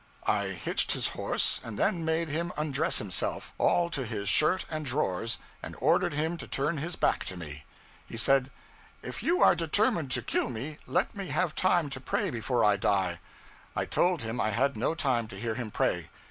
I hitched his horse, and then made him undress himself, all to his shirt and drawers, and ordered him to turn his back to me. He said, 'If you are determined to kill me, let me have time to pray before I die,' I told him I had no time to hear him pray.